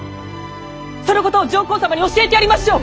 そのことを上皇様に教えてやりましょう！